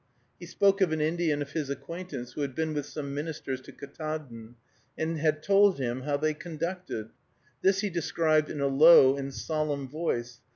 He spoke of an Indian of his acquaintance who had been with some ministers to Ktaadn, and had told him how they conducted. This he described in a low and solemn voice.